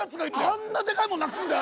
あんなでかいもんなくすんだよ？